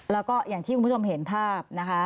แล้วก็อย่างที่คุณผู้ชมเห็นภาพนะคะ